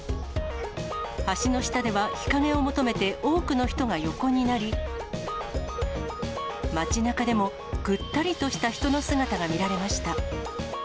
橋の下では日陰を求めて、多くの人が横になり、街なかでもぐったりとした人の姿が見られました。